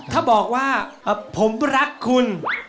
ถ้าบอกว่าผมรักคุณ